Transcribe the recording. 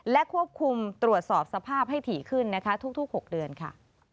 และควบคุมตรวจสอบสภาพให้ถี่ขึ้นนะคะทุก๖เดือนค่ะ